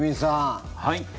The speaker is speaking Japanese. はい。